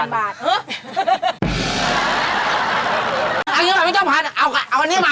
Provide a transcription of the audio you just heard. อันนี้มาพี่เจ้าพันธุ์เอาอันนี้มา